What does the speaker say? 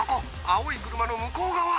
青い車の向こう側」